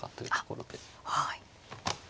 はい。